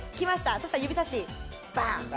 そうしたら指さしバーン！